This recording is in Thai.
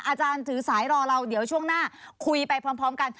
อาจารย์ถือสายรอเราเดี๋ยวช่วงหน้าคุยไปพร้อมกัน